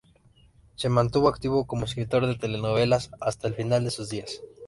Se mantuvo activo como escritor de telenovelas hasta el final de sus días.